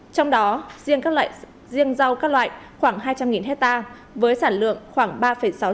trong đó riêng rau các loại khoảng hai trăm linh hectare với sản lượng khoảng ba sáu triệu tấn